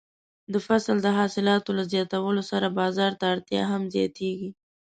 د فصل د حاصلاتو له زیاتوالي سره بازار ته اړتیا هم زیاتیږي.